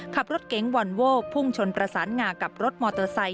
ขับรถเก๋งวอนโว้พุ่งชนประสานงากับรถมอเตอร์ไซค